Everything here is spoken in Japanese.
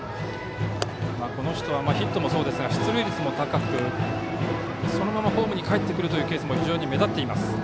この人はヒットもそうですが出塁率も高くそのままホームにかえってくるというケースも非常に目立っています。